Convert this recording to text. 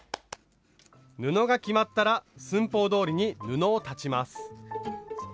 布が決まったら寸法どおりに布を裁ちます。